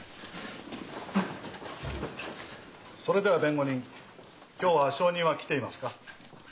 それでは弁護人今日は証人は来ていますか？